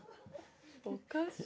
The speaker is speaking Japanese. おかしい！